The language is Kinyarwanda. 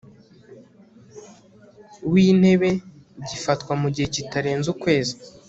w Intebe gifatwa mu gihe kitarenze ukwezi